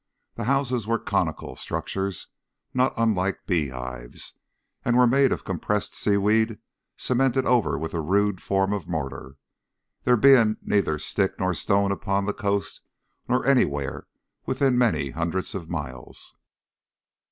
The houses were conical structures not unlike bee hives, and were made of compressed seaweed cemented over with a rude form of mortar, there being neither stick nor stone upon the coast nor anywhere within many hundreds of miles.